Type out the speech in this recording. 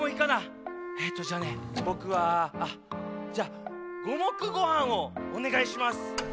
えっとじゃあねぼくはあっじゃあごもくごはんをおねがいします。